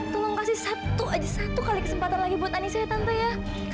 tolong kasih satu aja satu kali kesempatan lagi buat anis ya tante ya